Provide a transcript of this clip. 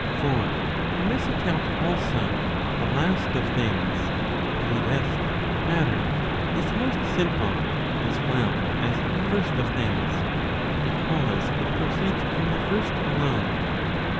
For on this account also, the last of things, Q. e. matter] is most simple, as well as the first of things, because it proceeds from the first alone.